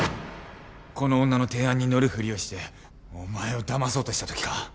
この女の提案に乗るふりをしてお前をだまそうとしたときか。